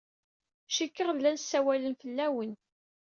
Cikkeɣ llan ssawalen fell-awen.